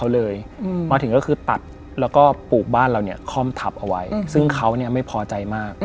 เลยมาถึงก็คือตัดแล้วก็ปลูกบ้านเราเนี่ยค่อมทับเอาไว้ซึ่งเขาเนี่ยไม่พอใจมาก